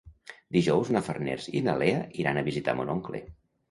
Dijous na Farners i na Lea iran a visitar mon oncle.